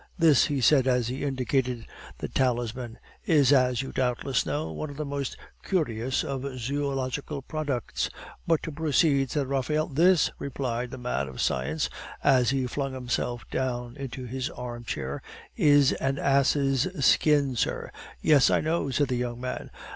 This," he said, as he indicated the talisman, "is, as you doubtless know, one of the most curious of zoological products." "But to proceed " said Raphael. "This," replied the man of science, as he flung himself down into his armchair, "is an ass' skin, sir." "Yes, I know," said the young man.